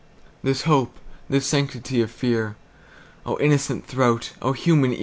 This hope, this sanctity of fear?O innocent throat! O human ear!